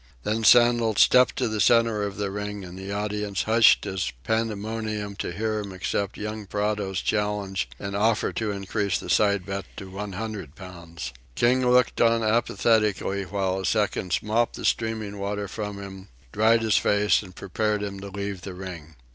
Then Sandel stepped to the centre of the ring and the audience hushed its pandemonium to hear him accept young Pronto's challenge and offer to increase the side bet to one hundred pounds. King looked on apathetically while his seconds mopped the streaming water from him, dried his face, and prepared him to leave the ring.